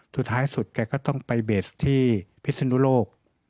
สุดท้ายสุดแกก็ต้องไปเบสที่พิศนุโลก